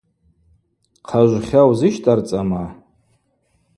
Хъажвхьа узыщтӏарцӏама?